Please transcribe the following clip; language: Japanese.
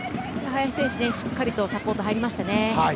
林選手、しっかりサポートに入りましたね。